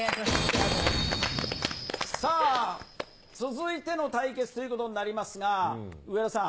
さあ、続いての対決ということになりますが、上田さん。